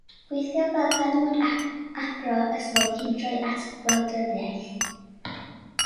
Gweithiodd fel ffermwr ac athro ysgol cyn troi at wleidyddiaeth.